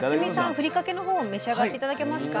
ふりかけの方を召し上がって頂けますか。